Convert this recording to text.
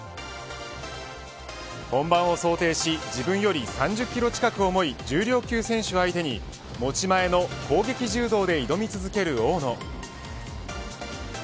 本番を想定し自分より３０キロ近く重い重量級選手を相手に持ち前の攻撃柔道で挑み続ける大野。